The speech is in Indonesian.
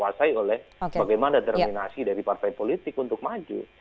kuasai oleh bagaimana determinasi dari partai politik untuk maju